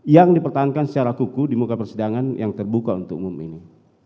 yang dipertahankan secara kuku di muka persidangan yang terbuka untuk umum ini